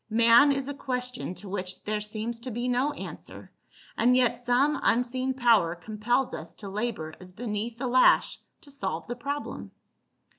Man is a question to which their seems to be no answer, and yet some unseen power compels us to labor as beneath the lash to solve the problem."